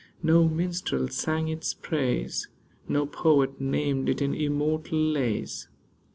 No minstrel sang its praise, No poet named it in immortal lays.